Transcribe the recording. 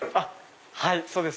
はいそうです。